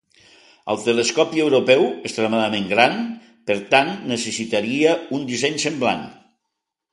El Telescopi Europeu Extremament Gran, per tant, necessitaria un disseny semblant.